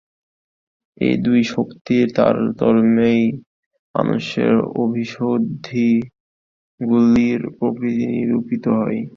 এই দুই শক্তির তারতম্যেই মানুষের অভিসন্ধিগুলির প্রকৃতি নিরূপিত হয়।